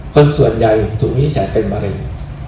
คนส่วนใหญ่ถูกวินิจฉัยเป็นมะเร็ง